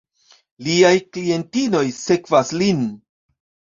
Liaj klientinoj sekvas lin.